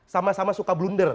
sama sama suka blunder